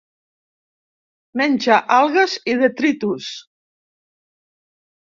Menja algues i detritus.